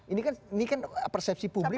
ini kan persepsi publik